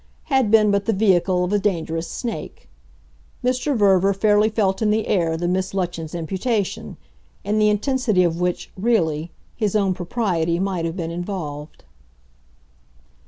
had been but the vehicle of a dangerous snake. Mr. Verver fairly felt in the air the Miss Lutches' imputation in the intensity of which, really, his own propriety might have been involved.